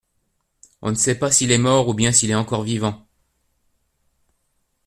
On ne sait pas s’il est mort ou bien s’il est encore vivant.